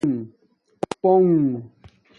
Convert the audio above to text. پہنݣ